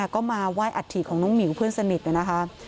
ก็มาไหว้อัฐิของน้องหมิวเพื่อนสนิทนะคะ